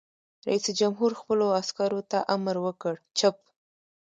رئیس جمهور خپلو عسکرو ته امر وکړ؛ چپ!